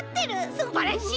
すばらしい！